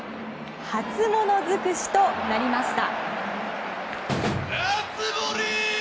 初物尽くしとなりました。